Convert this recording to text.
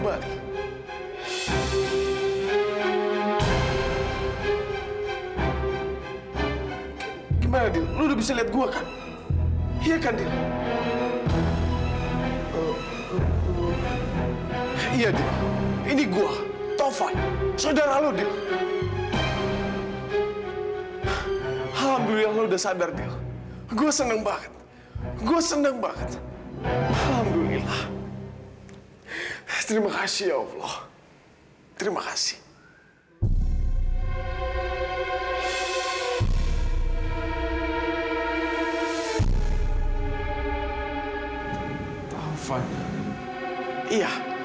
yaudah ayo sekarang kamu tiduran lagi ya taufan ya